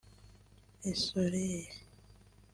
Le soleil